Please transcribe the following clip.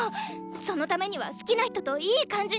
そのためには好きな人といい感じになって！